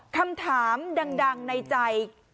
คำถามดังในใจ